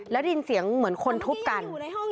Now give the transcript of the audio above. แล้วได้ยินเสียงเหมือนคนทุบกัน